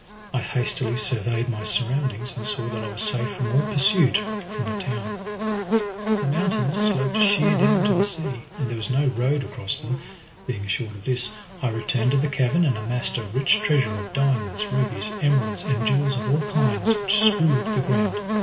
I hastily surveyed my surroundings, and saw that I was safe from all pursuit from the town. The mountains sloped sheer down to the sea, and there was no road across them. Being assured of this I returned to the cavern, and amassed a rich treasure of diamonds, rubies, emeralds, and jewels of all kinds which strewed the ground.